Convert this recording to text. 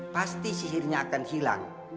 pasti sihirnya akan hilang